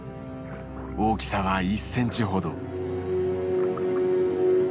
大きさは１センチほど。